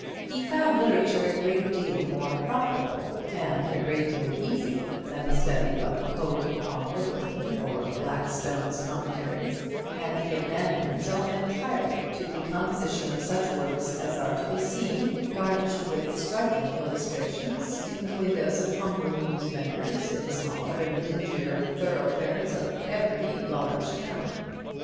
He found literature a great deal more profitable and a great deal easier than the study of Coke upon Lyttleton, or Blackstone's Commentaries; and he abandoned himself entirely to the composition of such works as are to be seen, garnished with striking illustrations, in the windows of humble newsvendors in the smaller and dingier thoroughfares of every large town.